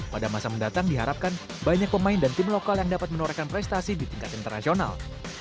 pada masa mendatang diharapkan banyak pemain dan tim lokal yang dapat menorehkan prestasi di tingkat internasional